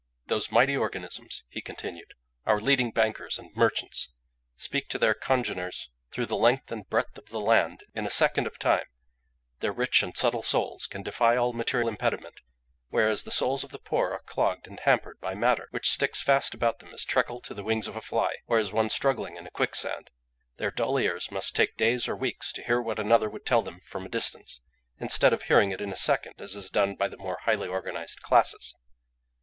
"Those mighty organisms," he continued, "our leading bankers and merchants, speak to their congeners through the length and breadth of the land in a second of time; their rich and subtle souls can defy all material impediment, whereas the souls of the poor are clogged and hampered by matter, which sticks fast about them as treacle to the wings of a fly, or as one struggling in a quicksand: their dull ears must take days or weeks to hear what another would tell them from a distance, instead of hearing it in a second as is done by the more highly organised classes.